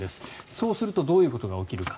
そうするとどういうことが起きるか。